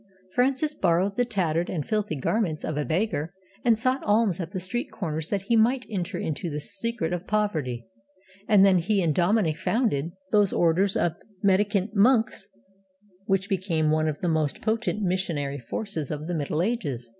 Francis borrowed the tattered and filthy garments of a beggar, and sought alms at the street corners that he might enter into the secret of poverty; and then he and Dominic founded those orders of mendicant monks which became one of the most potent missionary forces of the Middle Ages.